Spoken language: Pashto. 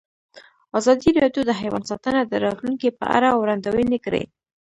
ازادي راډیو د حیوان ساتنه د راتلونکې په اړه وړاندوینې کړې.